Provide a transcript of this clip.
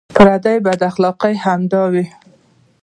پردۍ بداخلاقۍ همدا وې.